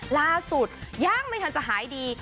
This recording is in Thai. ล่าสุดยังไม่ทันจะหายดี